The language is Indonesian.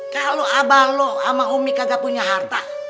kalau abah lu sama umi kagak punya harta